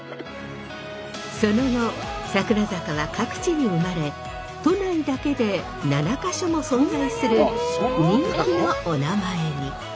その後桜坂は各地に生まれ都内だけで７か所も存在する人気のお名前に。